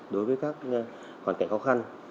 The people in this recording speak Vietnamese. đối với các hoàn cảnh khó khăn